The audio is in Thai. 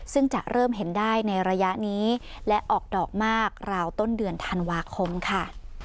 ซึ่งจะเริ่มเห็นได้ในระยะนี้และออกดอกมากราวต้นเดือนธันวาคมค่ะ